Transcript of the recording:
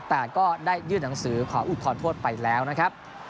แต่ก็ได้ยื่นหนังสือขออุทธรณโทษไปแล้วนะครับ